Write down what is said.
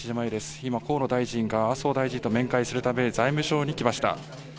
今、河野大臣が麻生大臣と面会するため、財務省に来ました。